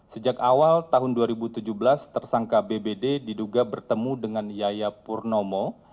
sejak awal tahun dua ribu tujuh belas tersangka bbd diduga bertemu dengan yaya purnomo